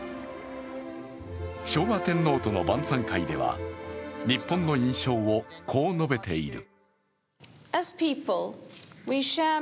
昭和天皇との晩さん会では日本の印象をこう述べている。